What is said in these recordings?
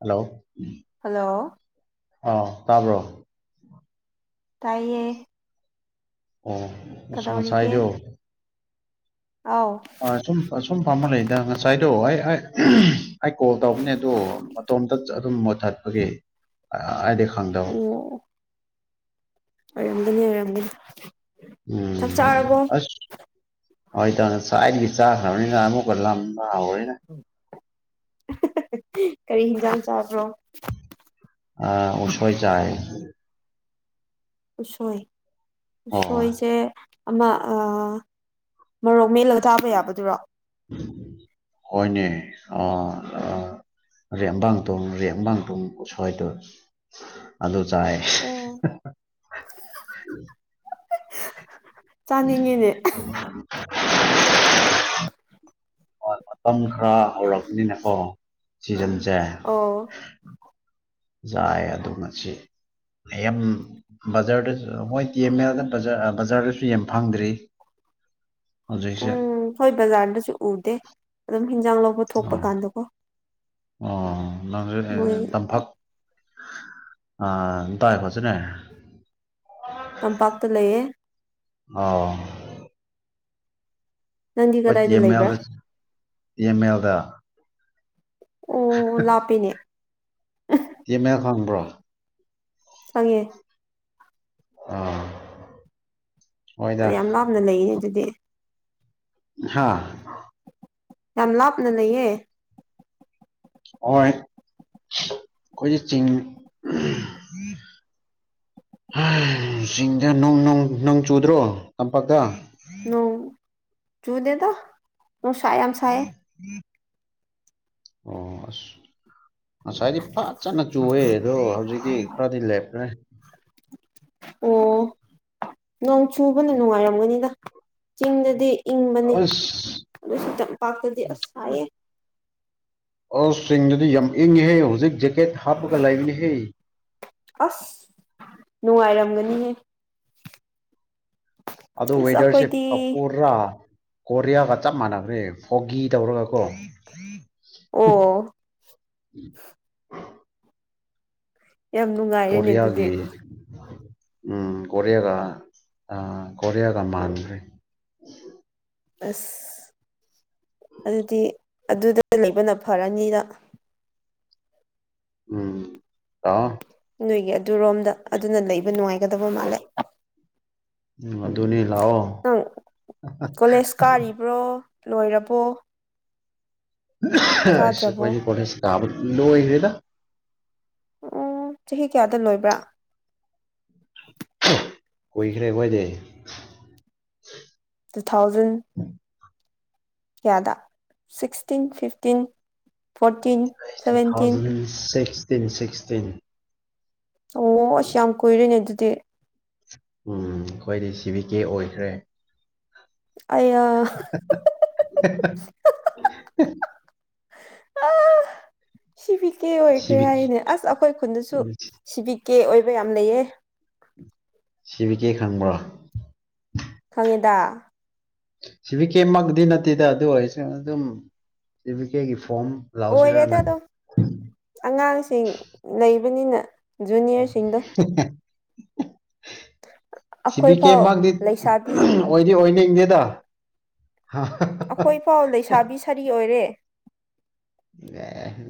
hello hello ꯑꯥ ꯇꯥꯕ꯭ꯔꯣ ꯇꯥꯏꯌꯦ ꯑꯣ ꯑꯁ ꯀꯗꯧꯔꯤꯒꯦ ꯉꯁꯥꯏꯗꯣ ꯑꯥꯎ ꯑ ꯁꯨꯝ ꯁꯨꯝ ꯄꯃꯨꯔꯦ ꯑꯗ ꯉꯁꯥꯏꯗꯣ ꯑꯩ ꯑꯩ ꯀꯣꯜ ꯇꯧꯕꯅꯦ ꯑꯗꯣ ꯃꯇꯣꯝꯇ ꯑꯗꯨꯝ ꯃꯨꯠꯊꯠꯄꯒꯤ ꯑꯩꯗꯤ ꯈꯪꯗꯕ ꯑꯣ ꯑꯣꯏꯔꯝꯒꯅꯤ ꯑꯣꯏꯔꯝꯒꯅꯤ ꯎꯝ ꯆꯥꯛ ꯆꯥꯔꯕꯣ ꯑꯁ ꯑꯩ ꯆꯦꯛ ꯉꯂꯥꯏꯗꯕꯤ ꯆꯥ ꯈꯔꯅꯤꯅ ꯃꯨꯛꯀꯥ ꯂꯝ ꯑ ꯑꯣꯏꯅꯦ ꯀꯔꯤ ꯍꯤꯟꯖꯥꯡ ꯆꯥꯕ꯭ꯔꯣ ꯑ ꯎꯁꯣꯏ ꯆꯥꯏ ꯎꯁꯣꯏ ꯑꯣ ꯎꯁꯣꯏꯁꯦ ꯑꯃ ꯃꯔꯣꯛ ꯃꯦꯜꯂ ꯊꯥꯕ ꯌꯥꯕ ꯌꯥꯕꯗꯨꯔꯣ ꯑꯣ ꯑꯣ ꯔꯦꯕꯥꯇꯣꯡ ꯔꯦꯕꯥꯇꯣꯡ ꯎꯁꯣꯏꯗꯣ ꯑꯗꯨ ꯆꯥꯏ ꯑꯣ ꯆꯥꯅꯤꯡꯉꯤꯅꯦ [unintelligible] [unintelligible] ꯃꯇꯝ ꯈꯔ ꯍꯧꯔꯛꯄꯅꯤꯅꯀꯣ ꯁꯤ ꯑꯣ ꯆꯥꯏ ꯑꯗꯨ ꯉꯁꯤ ꯌꯥꯝ ꯕꯖꯥꯔꯗꯁꯨ ꯃꯣꯏ ꯇꯤ ꯑꯦꯝ ꯑꯦꯗ ꯕꯖꯥꯔꯗꯁꯨ ꯌꯥꯝ ꯐꯪꯗ꯭ꯔꯤ [unintelligible] ꯍꯧꯖꯤꯛꯁꯦ ꯎꯝ ꯍꯣꯏ ꯕꯖꯥꯔꯗꯁꯨ ꯎꯗꯦ ꯑꯗꯨꯝ ꯍꯤꯟꯖꯥꯡ ꯂꯧꯕ ꯊꯣꯛꯄ ꯑꯣ ꯀꯥꯟꯗꯀꯣ ꯑꯣ ꯅꯪ ꯃꯣꯏ ꯇꯝꯄꯥꯛ ꯑꯥ ꯇꯥꯏ ꯈꯣꯁꯤꯅꯦ ꯇꯝꯄꯥꯛꯇ ꯂꯩꯌꯦ ꯑꯣ ꯅꯪꯗꯤ ꯈꯣꯏ ꯇꯤ ꯀꯗꯥꯏꯗ ꯑꯦꯝ ꯑꯦꯜ ꯂꯩꯕ꯭ꯔꯥ ꯇꯤ ꯑꯦꯝ ꯑꯦꯜꯗ ꯑꯣ ꯂꯥꯞꯄꯤꯅꯦ ꯇꯤ ꯑꯦꯝ ꯑꯦꯜ ꯈꯪꯕ꯭ꯔꯣ ꯈꯪꯉꯦ ꯑꯥ ꯍꯣꯏꯗ ꯑꯗꯨ ꯌꯥꯝ ꯂꯥꯞꯅ ꯂꯩꯌꯦ ꯑꯗꯨꯗꯤ ꯍꯥꯥ ꯌꯥꯝ ꯂꯥꯞꯅ ꯂꯩꯌꯦ ꯍꯣꯏ ꯑꯩꯈꯣꯏꯖꯦ ꯆꯤꯡ ꯆꯤꯡꯗ ꯅꯨꯡ ꯅꯨꯡ ꯅꯣꯡ ꯆꯨꯗ꯭ꯔꯣ ꯇꯝꯄꯥꯛꯇ ꯅꯣꯡ ꯆꯨꯗꯦꯗ ꯅꯨꯡꯁ ꯌꯥꯝ ꯁꯥꯏꯑꯦ ꯑꯣ ꯑꯁ ꯉꯁꯥꯏꯗꯤ ꯐꯥꯖꯅ ꯆꯨꯑꯦ ꯑꯗꯣ ꯍꯧꯖꯤꯛꯇꯤ ꯈꯔꯗꯤ ꯂꯦꯞꯈ꯭ꯔꯦ ꯑꯣ ꯅꯣꯡ ꯆꯨꯕꯅ ꯅꯨꯡꯉꯥꯏꯔꯝꯒꯅꯤꯗ ꯆꯤꯡꯗꯗꯤ ꯏꯪꯕꯅꯤ ꯑꯁ ꯑꯗꯨꯁꯨ ꯇꯝꯄꯥꯛꯇꯗꯤ ꯑꯁ ꯁꯥꯏꯌꯦ ꯑꯁ ꯆꯤꯡꯗꯗꯤ ꯌꯥꯝ ꯏꯪꯉꯦꯍꯦ ꯍꯧꯖꯤꯛ ꯖꯦꯀꯦꯠ ꯍꯥꯞꯄꯒ ꯂꯥꯏꯕꯤꯅꯤꯍꯦ ꯑꯁ ꯅꯨꯡꯉꯥꯏꯔꯝꯒꯅꯤꯍꯦ ꯑꯗꯣ ꯑꯁ ꯋꯗꯔꯁꯤꯞ ꯑꯩꯈꯣꯏꯗꯤ ꯀꯄꯣꯔꯔꯥ ꯀꯣꯔꯤꯌꯥꯒ ꯆꯞ ꯃꯥꯟꯅꯕꯅꯦ ꯍꯣꯒꯤ ꯇꯧꯔꯒ ꯀꯣ ꯑꯣ ꯌꯥꯝ ꯅꯨꯡꯉꯥꯏꯔꯦꯅꯦ ꯑꯗꯨꯗꯤ ꯀꯣꯔꯤꯌꯥꯒꯤ ꯎꯝ ꯀꯣꯔꯤꯌꯥꯒ ꯑ ꯀꯔꯤꯌꯥꯒ ꯃꯟꯈ꯭ꯔꯦ ꯑꯁ ꯑꯗꯨꯗꯤ ꯑꯗꯨꯗ ꯂꯩꯕꯅ ꯐꯔꯅꯤꯅ ꯎꯝ ꯑ ꯅꯣꯏꯒꯤ ꯑꯗꯨꯔꯣꯝꯗ ꯑꯗꯨꯅ ꯂꯩꯕ ꯅꯨꯡꯉꯥꯏꯒꯗꯕ ꯃꯥꯜꯂꯦ ꯎꯝ ꯑꯗꯨꯅꯤ ꯂꯥꯛꯑꯣ ꯅꯪ ꯀꯣꯂꯦꯖ ꯀꯥꯔꯤꯕ꯭ꯔꯣ ꯂꯣꯏꯔꯕꯣ ꯄ ꯀꯥꯗ꯭ꯔꯕꯣ ꯀꯣꯁꯤ ꯀꯕ ꯂ ꯑꯣꯏꯦꯗ ꯑꯣ ꯆꯍꯤ ꯀꯌꯥꯗ ꯂꯣꯏꯕ꯭ꯔꯥ ꯀꯣꯏꯈꯔꯦ ꯑꯣꯏꯣꯏꯗ ꯇꯨ ꯊꯥꯎꯖꯟ ꯀꯌꯥꯗ sixteen fifteen fourteen seventeen fifteen sixteen ꯑꯣ ꯑꯁ ꯌꯥꯝ ꯀꯨꯏꯔꯦꯅꯦ ꯑꯗꯨꯗꯤ ꯎꯝ ꯑꯩꯈꯣꯏꯗꯤ ꯁꯤꯕꯤ ꯀꯦ ꯑꯣꯏꯈ꯭ꯔꯦ ꯑꯩꯌꯥ [unintelligible] [unintelligible] ꯁꯤꯕꯤꯛꯛꯇꯦ ꯁꯤ ꯑꯣꯏꯈ꯭ꯔꯦ ꯕꯤ ꯍꯥꯏꯅꯦ ꯑꯁ ꯑꯩꯈꯣꯏ ꯈꯨꯟꯗꯁꯨ ꯁꯤꯕꯤ ꯀꯦ ꯑꯣꯏꯕ ꯌꯥꯝ ꯂꯩꯌꯦ ꯁꯤꯕꯤꯒꯦ ꯈꯪꯕ꯭ꯔꯣ ꯈꯪꯉꯦꯗ ꯁꯤꯕꯤ ꯀꯦ ꯃꯗꯤꯤ ꯅꯠꯇꯦꯗ ꯑꯗꯨ ꯑꯣꯏꯔꯁ ꯑꯗꯨꯝ ꯁꯤꯕꯤ ꯀꯦꯒꯤ ꯐꯣꯝ ꯂꯥꯎꯁꯤꯔꯅ ꯑꯣꯏꯔꯦꯗ ꯑꯗꯨꯝ ꯑꯉꯥꯡꯁꯤꯡ ꯂꯩ ꯖꯨꯅꯤꯌꯔꯁꯤꯡꯗꯣ ꯑꯩꯈꯣꯏ ꯁꯤꯕꯤꯤ ꯀꯦ ꯐꯥꯎ ꯃꯥꯪꯗꯤ ꯂꯩꯁꯥꯕꯤ ꯑꯣꯏꯗꯤ ꯑꯣꯏꯅꯅꯤ ꯏꯪꯗꯦꯗ ꯑꯩꯈꯣꯏ ꯏ ꯄꯥꯎ ꯂꯩꯁꯥꯕꯤ ꯁꯥꯔꯤ ꯑꯣꯏꯔꯦ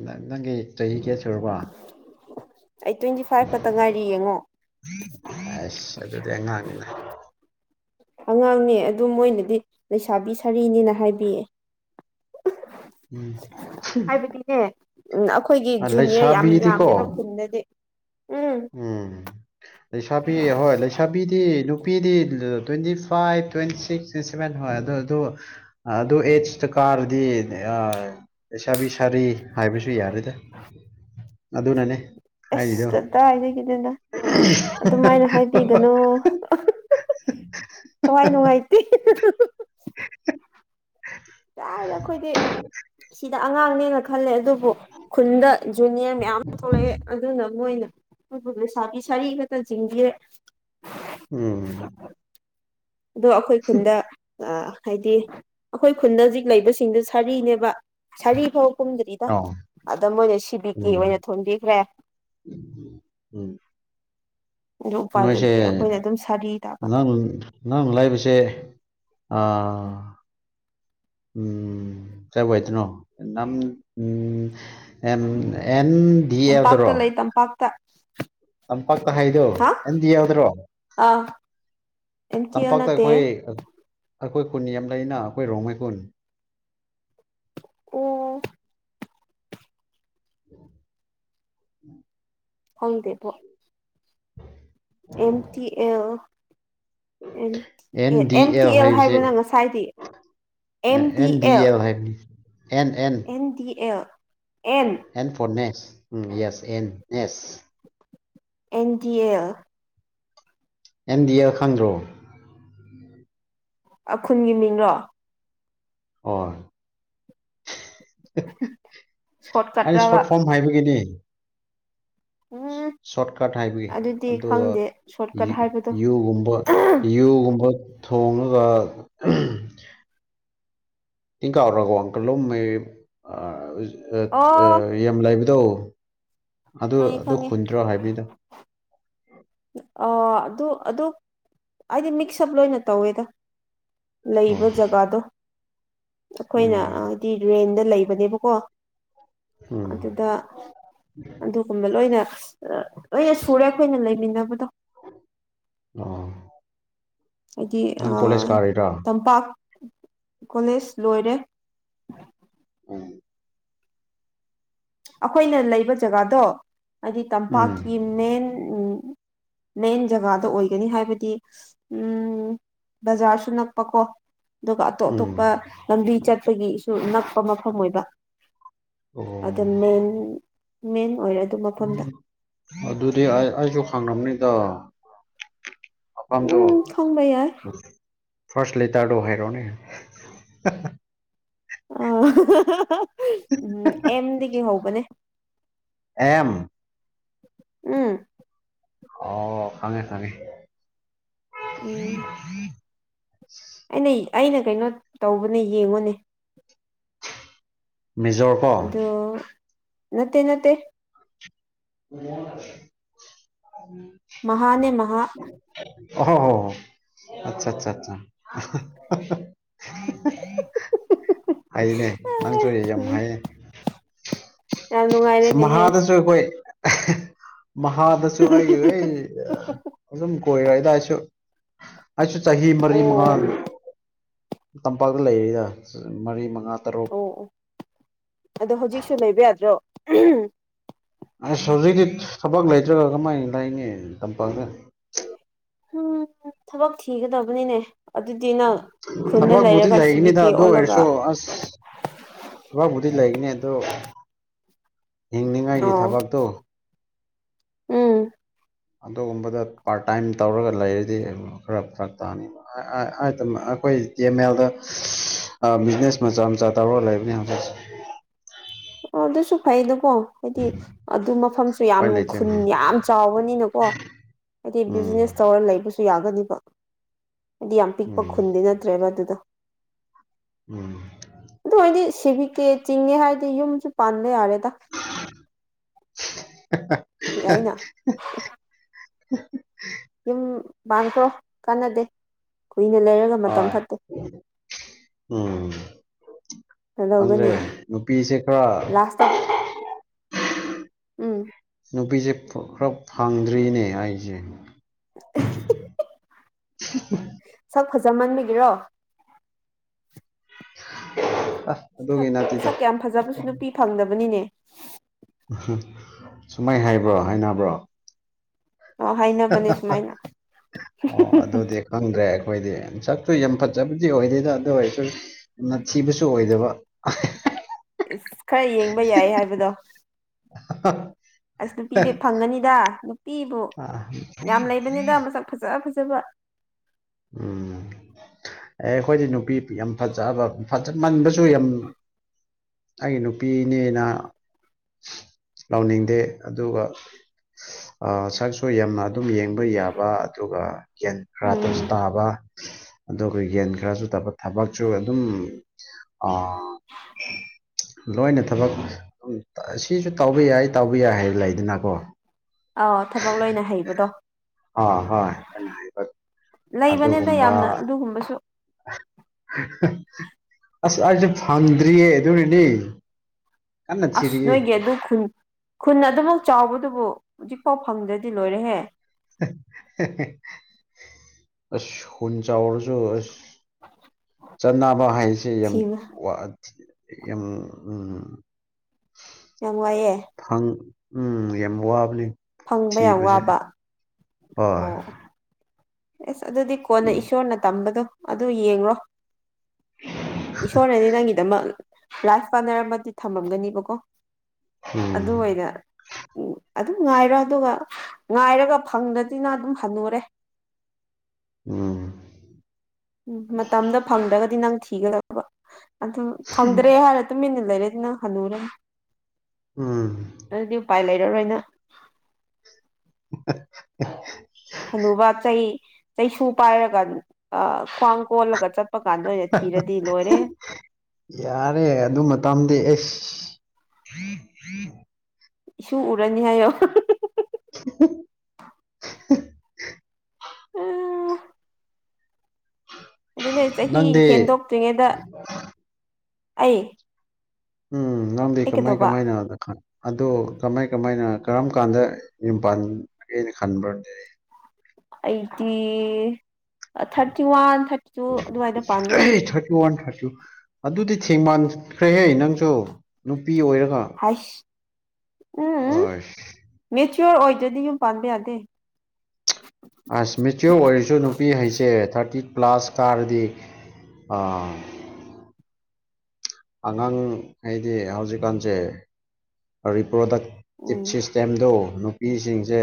ꯅꯪ ꯅꯪꯒꯤ ꯆꯍꯤꯒꯦ ꯁꯔꯕꯣ ꯑꯣ ꯑꯩ ꯇ꯭ꯋꯦꯟꯇꯤ ꯐꯥꯏꯚ ꯈꯛꯇ ꯉꯥꯏꯔꯤ ꯌꯦꯡꯉꯣ ꯑꯁ ꯑꯗꯨꯗꯤ ꯑꯉꯥꯡꯅꯤꯅ ꯑꯉꯥꯡꯅꯦ ꯑꯗꯨꯝ ꯃꯣꯏꯅꯗꯤ ꯂꯩꯁꯥꯕꯤ ꯁꯥꯔꯤꯅꯤꯅ ꯍꯥꯏꯕꯤꯌꯦ ꯎꯝ ꯍꯥꯏꯕꯗꯤꯅꯦ ꯎꯝ ꯑꯩꯈꯣꯏꯒꯤ ꯖꯨꯅꯤꯌꯔ ꯌꯥꯝ ꯂꯩꯁꯥꯕꯤꯗꯤꯀꯣ ꯌꯥꯝꯃꯦꯕ ꯈꯨꯟꯗꯗꯤ ꯎꯝ ꯂꯩꯁꯥꯕꯤ ꯍꯣꯏ ꯂꯩꯁꯥꯕꯤꯗꯤ ꯇ꯭ꯋ ꯐꯥꯏꯚ ꯇ꯭ꯋꯤꯛ ꯍꯣꯏ ꯑꯗꯨ ꯗꯤꯁꯥꯕꯤ ꯈꯔꯤ ꯍꯥꯏꯕꯁꯨ ꯌꯥꯔꯗ ꯑꯗꯨꯅꯅꯦ ꯑꯁ ꯍꯥꯏꯔꯤꯗꯣ ꯀꯗꯥ ꯍꯥꯏ ꯅꯤꯅ ꯑꯗꯨꯃꯥꯏꯅ ꯍꯥꯏꯕꯤꯒꯅꯨ ꯊꯋꯥꯏ ꯅꯨꯡꯉꯥꯏꯇꯦ [unintelligible] ꯌꯥꯔꯦ ꯑꯩꯈꯣꯏꯗꯤ ꯁꯤꯗ ꯑꯉꯥꯡꯅꯦꯅ ꯈꯜꯂꯦ ꯑꯗꯨ ꯈꯨꯟꯗ ꯖꯨꯅꯤꯌꯔ ꯃꯌꯥꯝ ꯑꯃ ꯊꯣꯛꯂꯛꯑꯦ ꯑꯗꯨꯅ ꯃꯣꯏꯅ ꯁꯥꯕꯤ ꯁꯔꯤ ꯃꯠꯇ ꯆꯤꯡ ꯕꯤꯔꯦ ꯎꯝ ꯑꯗꯣ ꯑꯩꯈꯣꯏ ꯈꯨꯟꯗ ꯑ ꯍꯥꯏꯗꯤ ꯑꯩꯈꯣꯏ ꯈꯨꯟꯗ ꯍꯧꯖꯤꯛ ꯂꯩꯕꯁꯤꯡꯗꯨ ꯁꯥꯔꯤꯅꯦꯕ ꯁꯥꯔꯤ ꯐꯥꯎ ꯀꯨꯝꯗ꯭ꯔꯤꯗ ꯑꯣ ꯑꯗꯨꯏ ꯑꯣꯏꯅ ꯁꯤꯕꯤ ꯀꯦ ꯑꯣꯏꯅ ꯎꯝ ꯊꯣꯟꯝꯕꯤꯈ꯭ꯔꯦ ꯎꯝ ꯑꯗꯨ ꯎꯄꯥꯏ ꯅꯣꯏ ꯁꯦ ꯂꯩꯇꯦ ꯑꯩꯈꯣꯏꯅ ꯑꯗꯨꯝ ꯁꯥꯔꯤ ꯇꯥꯕ ꯅꯪ ꯅꯪ ꯂꯩꯕꯁꯦ ꯑ [inaudible] ꯎꯝ [inaudible] ꯑꯦꯟꯗꯤꯌꯥꯗ꯭ꯔꯣ ꯇꯝꯄꯥꯛꯇ ꯂꯩ ꯇꯝꯄꯥꯛꯇ ꯇꯝꯄꯥꯛ ꯇ ꯍꯥꯏꯗꯨꯣ ꯍꯥ ꯑꯦꯟꯗꯤꯌꯥꯔꯗ꯭ꯔꯣ ꯑꯥ ꯑꯦꯝ ꯇꯤ ꯑꯦꯜ ꯇꯝꯄꯥꯛꯇ ꯅꯠꯇꯦ ꯑꯩꯈꯣꯏ ꯑꯩꯈꯣꯏ ꯈꯨꯟ ꯌꯥꯝ ꯂꯩꯅ ꯑꯩꯈꯣꯏ ꯔꯣꯡꯃꯩ ꯈ‌ꯣꯏ ꯑꯣ [unintelligible] ꯈꯪꯗꯦꯕ‌ꯣ M T L N D M T L ꯍꯥꯏꯕꯁꯦ ꯍꯥꯏꯕꯅ ꯉꯁꯥꯏꯗꯤ ꯑꯦꯟ ꯗꯤ ꯑꯦꯜ ꯍꯥꯏꯕꯅꯤ N D L N for S yes N S N D L NDL ꯈꯪꯗ‍꯭ꯔ‌ꯣ ꯑꯈꯨꯟꯒꯤ ꯃꯤꯡꯔꯣ ꯍ‌ꯣꯏ ꯁꯣꯔꯠ ꯑꯩꯅ ꯀꯠꯔꯕ ꯁꯣꯔꯠ ꯐꯣꯔꯝ ꯍꯥꯏꯕꯒꯤꯅꯤ ꯎꯝ ꯁꯣꯔꯠꯀꯠ ꯍꯥꯏꯕꯒꯤ ꯑꯗꯨꯗꯤ ꯑꯗꯣ ꯈꯪꯗꯦ ꯁꯣꯔꯠꯀꯠ ꯌꯨ ꯍꯥꯏꯕꯗꯣ ꯌꯨꯨꯒꯨꯝꯕ ꯌꯨꯒꯨꯝꯕ ꯊꯣꯡꯉꯒ [inaudible] ꯇꯤꯡ ꯀꯥ ꯑꯣꯏꯔꯒꯣ ꯑꯪꯀꯜ ꯂꯣ ꯑꯣ ꯑꯩ ꯌꯥꯝ ꯂꯥꯏꯕꯗꯣ ꯑꯗꯨ ꯈꯪꯉꯦ ꯑꯗꯨ ꯈꯪꯉꯦ ꯍꯨꯟꯗ꯭ꯔꯣ ꯍꯥꯏꯕꯅꯤꯗ ꯑꯩ ꯑꯗꯨ ꯑꯗꯨ ꯍꯥꯏꯗꯤ ꯃꯤꯛꯁ ꯎꯞ ꯂꯣꯏꯅ ꯇꯧꯋꯦꯗ ꯑꯣ ꯂꯩꯕ ꯖꯒꯥꯗꯣ ꯑꯩꯈꯣꯏꯅ ꯎꯝ ꯍꯥꯏꯗꯤ ꯔꯦꯟꯗ ꯂꯩꯕꯅꯦꯕꯀꯣ ꯎꯝ ꯑꯗꯨꯗ ꯑꯗꯨꯒꯨꯝꯕ ꯂꯣꯏꯅ ꯂꯣꯏꯅ ꯁꯨꯔꯦ ꯑꯩꯈꯣꯏꯅ ꯂꯩꯃꯤꯟꯅꯕꯗꯣ ꯑꯣ ꯍꯥꯏꯗꯤ ꯑ ꯅꯪ ꯀꯣꯂꯦꯖ ꯀꯥꯔꯤꯔꯥ ꯇꯝꯄꯥꯛ ꯀꯣꯂꯦꯖ ꯂꯣꯏꯔꯦ [inaudible] ꯑꯩꯈꯣꯏꯅ ꯂꯩꯕ ꯖꯒꯥꯗꯣ ꯍꯥꯏꯗꯤ ꯇꯝꯄꯥꯛꯀꯤ ꯃꯦꯟ ꯃꯦꯟ ꯖꯒꯥꯗ ꯑꯣꯏꯒꯅꯤ ꯍꯥꯏꯕꯗꯤ ꯎꯝ ꯕꯖꯥꯔꯁꯨ ꯅꯛꯄꯀ‌ꯣ ꯑꯗꯨꯒ ꯑꯇꯣꯞ ꯎꯝ ꯑꯇꯣꯞꯄ ꯂꯝꯕꯤ ꯆꯠꯄꯒꯤꯁꯨ ꯅꯛꯄ ꯃꯐꯝ ꯑꯣꯏꯕ ꯑꯣ ꯑꯗ ꯃꯦꯟ ꯃꯦꯟ ꯑꯣꯏꯔꯗꯤ ꯎ ꯑꯗꯨꯗꯤ ꯑꯩ ꯑꯩꯁꯨ ꯈꯪꯔꯝꯅꯤꯗ ꯎꯝ ꯈꯪꯕ ꯌꯥꯏ ꯐꯥꯔꯁ ꯂꯤꯇꯔꯗꯣ ꯍꯥꯏꯔꯣꯅꯦ ꯑ ꯎꯝ ꯑꯦꯝꯗꯒꯤ ꯍꯧꯕꯅꯦ ꯑꯦꯝ ꯎꯝ ꯑꯣ ꯐꯉꯦ ꯐꯉꯦ ꯎꯝ ꯑꯩꯅ ꯑꯩꯅ ꯀꯩꯅꯣ ꯇꯧꯕꯅꯦ ꯌꯦꯡꯉꯨꯅꯦ ꯃꯤꯖꯣꯔ ꯀ‌ꯣ ꯑꯗꯨ ꯅꯠꯇꯦ ꯅꯠꯇꯦ ꯎ [unintelligible] ꯃꯍꯥꯅꯦ ꯃꯍꯥ ꯑꯣ ꯍꯣ ꯍ‌ꯣ ꯍ‌ꯣ ꯑꯆꯥ ꯑꯆꯥ ꯑꯆꯥ ꯑꯩꯅꯦ ꯅꯪ ꯆꯣꯏꯦ ꯌꯥꯝ ꯎꯝ ꯍꯥꯏꯌꯦ ꯌꯥꯝ ꯅꯨꯡꯉꯥꯏꯔꯦꯅꯦꯍꯦ ꯃꯍꯥꯗꯁꯨ ꯑꯩꯈꯣꯏ ꯃꯍꯥꯗꯁꯨ ꯑꯩ ꯑꯩ ꯑꯗꯨꯝ ꯀꯣꯏꯔ ꯑꯗꯨꯗꯥꯏꯁꯨ ꯑꯁ ꯆꯍꯤꯍꯤ ꯃꯔꯤ ꯑꯣ ꯃꯉꯒ ꯇꯝꯄꯥꯛꯇ ꯂꯩꯔꯤꯗ ꯃꯔꯤ ꯃꯉꯥ ꯇꯔꯨꯛ ꯑꯣ ꯑꯣ ꯑꯗꯣ ꯍꯧꯖꯤꯛꯁꯨ ꯂꯩꯕ ꯌꯥꯗ꯭ꯔꯣ ꯑꯁ ꯍꯧꯖꯤꯛꯤ ꯊꯕꯛ ꯂꯩꯇ꯭ꯔꯒ ꯀꯃꯥꯏꯅ ꯂꯩꯅꯤꯦ ꯇꯝꯄꯥꯛꯦ ꯎꯝ ꯊꯕꯛ ꯊꯤꯒꯗꯕꯅꯤꯅꯦ ꯑꯗꯨꯗꯤ ꯅꯪ ꯈꯨꯟꯗ ꯊꯕꯛꯕꯨꯗꯤ ꯂꯩꯔꯒ ꯁꯤꯕꯤ ꯂꯩꯒꯅꯤꯗ ꯀꯦ ꯑꯗꯨ ꯑꯣꯜꯂꯒ ꯑꯣꯏꯔꯁꯨ ꯑꯁ ꯊꯕꯨꯗꯤ ꯂꯩꯒꯅꯦꯗꯣ ꯍꯤꯡꯅꯤꯉꯥꯏꯒꯤ ꯑꯣ ꯊꯕꯛꯇꯨ ꯎꯝ ꯑꯗꯨꯒꯨꯝꯕꯗ ꯄꯥꯔꯠ ꯇꯥꯏꯝ ꯇꯧꯔꯒ ꯂꯩꯔꯗꯤ ꯈꯔ ꯐꯔꯛ ꯇꯥꯍꯅꯤꯡꯕ ꯑꯩꯈꯣꯏ ꯇꯤ ꯑꯦꯝ ꯑꯦꯜꯗ ꯕꯤꯖꯤꯅꯦꯁ ꯃꯆꯥ ꯃꯆꯥ ꯇꯧꯔꯒ ꯂꯩꯕꯅꯦ ꯍꯧꯖꯤꯛ ꯗꯁꯨ ꯐꯥꯏꯗ ꯀꯣ ꯍꯥꯏꯗꯤ ꯑꯗꯨ ꯃꯐꯝꯁꯨ ꯌꯥꯝ ꯎꯄꯥꯏ ꯂꯩꯇ꯭ꯔꯦ ꯈꯨꯟ ꯌꯥꯝ ꯆꯥꯎꯕꯅꯤꯅꯀꯣ ꯍꯥꯏꯗꯤ ꯎꯝ ꯕꯤꯖꯤꯅꯦꯁ ꯇꯧꯔ ꯂꯩꯕꯨ ꯁꯨ ꯌꯥꯒꯅꯤꯕ ꯍꯥꯏꯗꯤ ꯌꯥꯝ ꯄꯤꯛꯄ ꯎꯝ ꯈꯨꯟꯗꯤ ꯅꯠꯇ꯭ꯔꯦꯕ ꯑꯗꯨꯗ ꯎꯝ ꯁꯤꯕꯤꯀꯦ ꯆꯤꯡꯉꯦ ꯍꯥꯏꯔꯗꯤ ꯌꯨꯝꯁꯨ ꯄꯥꯟꯕ ꯌꯥꯔꯦ [unintelligible] ꯑꯏꯅ [unintelligible] ꯌꯨꯝ ꯄꯥꯡꯈ꯭ꯔꯣ ꯀꯥꯟꯅꯗꯦ ꯀꯨꯏꯅ ꯂꯩꯔꯒ ꯑ ꯃꯇꯝ ꯐꯠꯇꯦ ꯎꯝ ꯈꯪꯗ꯭ꯔꯦ ꯀꯩꯗꯧꯒꯅꯤ ꯅꯨꯄꯤꯁꯦ ꯈꯔ ꯂꯥꯁꯇ ꯎꯝ ꯅꯨꯄꯤꯁꯦ ꯈꯔ ꯐꯪꯗ꯭ꯔꯤꯅꯦ ꯑꯩꯁꯦ [unintelligible] ꯆꯃꯟꯃꯤꯒꯤꯔꯣ ꯑ ꯁꯛ ꯁꯛ ꯌꯥꯝ ꯐꯖꯕꯁꯨ ꯅꯨꯄꯤ ꯐꯪꯗꯕꯅꯤꯅꯦ ꯁꯨꯃꯥꯏ ꯍꯥꯏꯕ꯭ꯔꯣ ꯍꯥꯏꯅꯕ꯭ꯔꯣ ꯑꯣ ꯍꯥꯏꯅꯕꯅꯦ ꯁꯨꯃꯥꯏꯅ ꯑꯣ ꯑꯗꯨꯗꯤ ꯈꯪꯗ꯭ꯔꯦ ꯑꯩꯈꯣꯏꯗꯤ ꯁꯛꯇꯨ ꯌꯥꯝ ꯐꯖꯕꯗꯤ ꯑꯣꯏꯗꯦꯗ ꯑꯗꯨ ꯑꯣꯏꯔꯁꯨ ꯌꯥꯝꯅꯊꯤꯕꯁꯨ ꯑꯣꯏꯗꯕ ꯏꯁꯁ ꯈꯔ ꯌꯦꯡꯕ ꯌꯥꯏ ꯍꯥꯏꯕꯗꯣ ꯑꯁ ꯅꯨꯄꯤꯗꯤ ꯐꯪꯒꯅꯤꯗ ꯅꯨꯄꯤꯕꯨ ꯌꯥꯝ ꯂꯩꯕꯅꯤꯗ ꯃꯁꯛ ꯐꯖ ꯐꯖ ꯆꯕ ꯎꯝ ꯑꯦ ꯑꯩꯈꯣꯏꯗꯤ ꯅꯨꯄꯤ ꯌꯥꯝ ꯐꯖꯕꯖ ꯃꯟꯕꯁꯨ ꯌꯥꯝ ꯑꯩꯒꯤ ꯅꯨꯄꯤꯅꯦꯅ ꯂꯥꯎꯅꯤꯡꯗꯦ ꯑꯗꯨꯒ ꯁꯛꯁꯨ ꯌꯥꯝꯅ ꯑꯗꯨꯝ ꯌꯦꯡꯕ ꯣꯏ ꯌꯥꯕ ꯑꯗꯨꯒ ꯌꯦꯦꯟ ꯈꯔꯇꯁꯨ ꯎꯝ ꯇꯥꯕ ꯑꯗꯨꯒ ꯑꯩꯈꯣꯏ ꯌꯦꯟ ꯈꯔꯁꯨ ꯇꯕ ꯊꯕꯛꯁꯨ ꯑꯗꯨꯝ [unintelligible] ꯂꯣꯏꯅ ꯊꯕꯛ ꯁꯤꯁꯨ ꯇꯧꯕ ꯌꯥꯏ ꯇꯧꯕ ꯌꯥꯏ ꯍꯥꯏꯔ ꯂꯩꯗꯅꯀꯣ ꯑ ꯊꯕꯛ ꯂꯣꯏꯅ ꯍꯩꯕꯗꯣ ꯑꯥ ꯍꯣꯏ ꯑꯩꯅ ꯍꯥꯏꯕ ꯂꯩꯕꯅꯦꯗ ꯑꯗꯨꯒꯨꯝꯕ ꯌꯥꯝꯅ ꯑꯗꯨꯒꯨꯝꯕꯁꯨ ꯑꯁ ꯑꯩꯁꯨ ꯐꯥꯟꯗꯔꯤꯌꯦ ꯅꯤ ꯑꯁ ꯅꯣꯏꯒꯤ ꯑꯗꯨ ꯈꯨꯟ ꯈꯨꯟ ꯑꯗꯨꯃꯛ ꯆꯥꯎꯕ ꯑꯗꯨꯕꯨ ꯍꯧꯖꯤꯛꯐꯥꯎ ꯐꯪꯗ꯭ꯔꯗꯤ ꯂꯣꯏꯔꯍꯦ ꯑꯁ ꯍꯨꯟ ꯆꯔꯁꯨ ꯑ ꯆꯥꯟꯅꯕ ꯍꯥꯏꯁꯦ ꯌꯥꯝ ꯌꯥꯝ ꯎꯝ ꯌꯥꯝꯅꯨꯡ ꯋꯥꯏꯑꯌꯦ ꯐꯪ ꯎꯝ ꯌꯥꯝ ꯋꯥꯕꯅꯤ ꯐꯪꯕ ꯌꯥꯝ ꯊꯤꯕꯁꯦ ꯋꯥꯕ ꯍꯣꯏ ꯑꯣ ꯑꯦꯁ ꯑꯗꯨꯗꯤ ꯀꯣꯟꯅ ꯏꯁꯣꯔꯅ ꯇꯝꯕꯗꯣ ꯑꯗꯨ ꯌꯦꯡꯂꯡꯣ ꯏꯁꯣꯔꯅꯗꯤ ꯅꯪꯒꯤꯗꯃꯛ ꯂꯥꯏꯐ ꯄꯥꯔꯠꯅꯔ ꯑꯃꯗꯤ ꯊꯝꯃꯝꯒꯅꯦꯕꯀꯣ ꯎꯝ ꯑꯗꯨꯏꯔ ꯎ ꯑꯗꯨꯝ ꯉꯥꯏꯔꯣ ꯑꯗꯨꯒ ꯉꯥꯏꯔꯒ ꯐꯪꯗꯗꯤꯅ ꯑꯗꯨꯝ ꯍꯟꯅꯨꯔꯦ ꯎꯝ ꯎꯝ ꯃꯇꯝꯗ ꯐꯪꯗ꯭ꯔꯒꯗꯤ ꯅꯪ ꯊꯤꯒꯗꯕ ꯑꯗꯨꯝ ꯐꯪꯗ꯭ꯔꯦ ꯍꯥꯏꯔ ꯇꯨꯃꯤꯟꯅ ꯂꯩꯔꯗꯅ ꯍꯜꯅꯔ ꯎꯝ ꯔ ꯑꯣꯏꯅ [unintelligible] ꯑꯅꯕ ꯆꯩ ꯆꯩꯁꯨ ꯄꯥꯏꯔꯒ ꯈ꯭ꯋꯥꯡ ꯀꯣꯜꯂꯒ ꯆꯠ ꯌꯥꯔꯦ ꯑꯗꯨ ꯃꯇꯝꯗꯤ ꯑꯦꯁ ꯍꯝ ꯍꯝ ꯏ ꯎꯔꯅꯤ ꯍꯥꯏꯌꯣ [unintelligible] ꯑ ꯑꯗꯨꯅꯦ ꯆꯍꯤ ꯅꯪꯗꯤ ꯍꯦꯟꯗꯣꯛꯇ꯭ꯔꯤꯉꯩꯗ ꯑꯩ ꯎꯝ ꯉꯝꯗꯤ ꯑꯩ ꯀꯃꯥꯏ ꯀꯩꯗꯧꯕ ꯀꯃꯥꯏꯅꯗ ꯑꯗꯣ ꯀꯃꯥꯏ ꯀꯃꯥꯏꯅ ꯀꯔꯝ ꯀꯥꯟꯗ ꯌꯨꯝ ꯄꯥꯟꯒꯦꯅ ꯈꯟꯕ꯭ꯔꯗꯤ eighty thirty one thirty two ꯑꯗꯨꯃꯥꯏꯅ ꯄꯥꯟꯒꯅꯤ ꯊꯥꯔꯇꯤ ꯋꯥꯟ ꯊꯥꯔꯇꯤ ꯑꯗꯨꯗꯤ ꯊꯦꯡꯃꯥꯟꯈ꯭ꯔꯦꯍꯦ ꯅꯪꯁꯨ ꯅꯨꯄꯤ ꯑꯣꯏꯔꯒ ꯍꯥꯏꯁ ꯑꯁ ꯄꯣꯔ ꯑꯣꯏꯖꯗꯤ ꯌꯨꯝ ꯄꯥꯟꯕ ꯌꯥꯗꯦ ꯑꯁ ꯃꯦꯆꯌꯣꯔ ꯑꯣꯏꯔꯁꯨ ꯅꯨꯄꯤ ꯍꯥꯏꯩꯁꯦ ꯊꯥꯔꯇꯤ ꯄ꯭ꯂꯥꯁ ꯀꯔꯗꯛ ꯑꯉꯥꯡ ꯍꯥꯏꯗꯤ ꯍꯧꯖꯤꯛꯀꯥꯟꯁꯦ ꯔꯤꯄ꯭ꯔꯣꯗ ꯇꯤꯞ ꯎꯝ ꯁꯤꯁꯇꯦꯝꯗ ꯅꯨꯄꯤꯁꯤꯡꯁꯦ